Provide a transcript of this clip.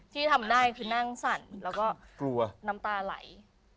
ที่ทำได้คือนั่งสั่นแล้วก็กลัวน้ำตาไหล